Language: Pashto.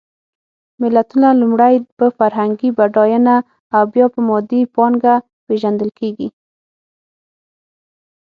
ملتونه لومړی په فرهنګي بډایېنه او بیا په مادي پانګه پېژندل کېږي.